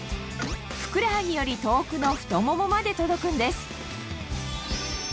ふくらはぎより遠くの太ももまで届くんです